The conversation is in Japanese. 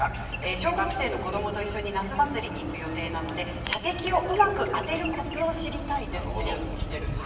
小学生の子どもと一緒に夏祭りに行く予定なので射的をうまく当てるコツを知りたいですときています。